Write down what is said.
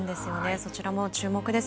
そちらも注目です。